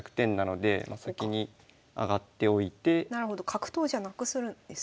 角頭じゃなくするんですね。